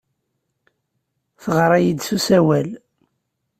Teɣra-iyi-d s usawal.